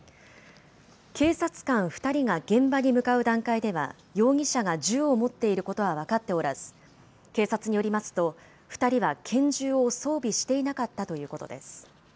警察官２人が現場に向かう段階では、容疑者が銃を持っていることは分かっておらず、警察によりますと、２人は拳銃を装備していなかったということです。